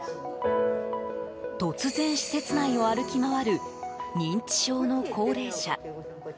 突然、施設内を歩き回る認知症の高齢者。